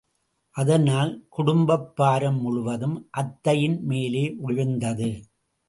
அதனால், குடும்பப் பாரம் முழுவதும் அத்தையின் மேலேயே விழுந்தது.